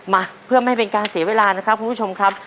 มาเพื่อไม่เป็นการเสียเวลานะครับคุณผู้ชมครับ